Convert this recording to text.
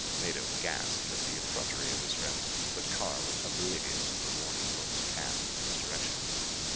Mado gasped at the effrontery of his friend. But Carr was oblivious of the warning looks cast in his direction.